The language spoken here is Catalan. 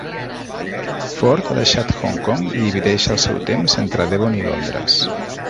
Ford ha deixat Hong Kong i divideix el seu temps entre Devon i Londres.